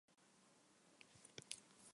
石见山吹城城主。